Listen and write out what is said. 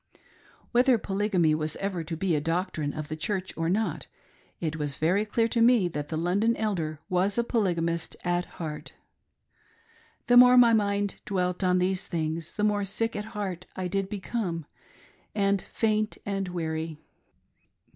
Whether Polygamy was ever to be a doctrine of the Church or not, it was very clear to me that the London Elder was a polygamist at heart. The more my mind dwelt on these things, the more sick at heart did I become, and faint and weary.